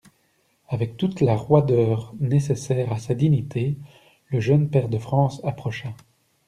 Avec toute la roideur nécessaire à sa dignité, le jeune pair de France approcha.